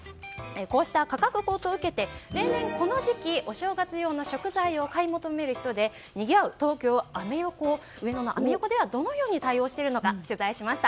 こうした価格高騰を受けて、例年この時期、お正月用の食材を買い求める人でにぎわう東京・アメ横、上野のアメ横ではどのように対応しているのか取材しました。